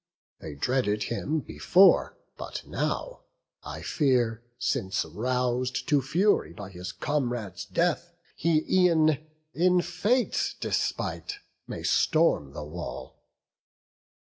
They dreaded him before; but now, I fear, Since rous'd to fury by his comrade's death, He e'en in fate's despite may storm the wall."